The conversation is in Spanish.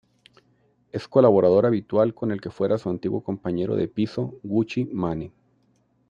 Es colaborador habitual con el que fuera su antiguo compañero de piso Gucci Mane.